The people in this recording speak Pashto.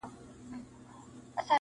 دا خو خلګ یې راوړي چي شیرني ده,